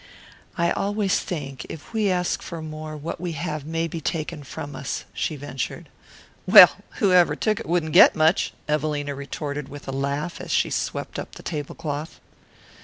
"I always think if we ask for more what we have may be taken from us," she ventured. "Well, whoever took it wouldn't get much," Evelina retorted with a laugh as she swept up the table cloth.